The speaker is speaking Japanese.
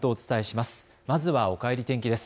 まずはおかえり天気です。